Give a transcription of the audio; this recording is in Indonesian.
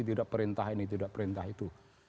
tidak perintah ini tidak perintah itu